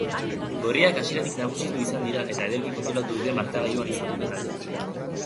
Gorriak hasieratik nagusi izan dira eta ederki kontrolatu dute markagailuan izan duten aldea.